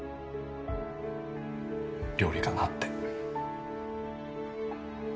料理かなって。